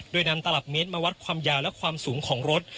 โดยนำตลับเมตรมาวัดความยาวและความสูงของรถ